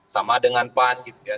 sama dengan pan gitu ya